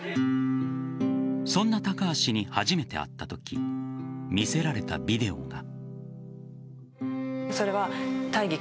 そんな高橋に初めて会ったとき見せられたビデオが。